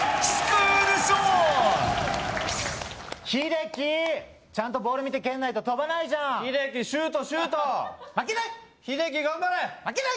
ヒデキちゃんとボール見て蹴んないと飛ばないじゃんヒデキシュートシュート負けない！